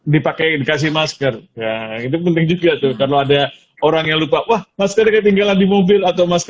dipakai dikasih masker itu penting juga tuh kalau ada orang yang lupa wah maskernya tinggal di mobil